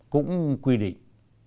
cũng quy định